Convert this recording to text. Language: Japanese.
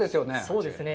そうですね。